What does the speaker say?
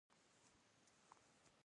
هُدا شمس یې کتابتون و